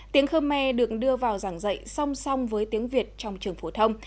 tiếng khơ me được đưa vào giảng dạy song song với tiếng việt trong trường phổ thông